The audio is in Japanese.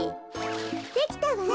できたわ。